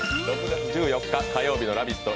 ６月１４日火曜日の「ラヴィット！」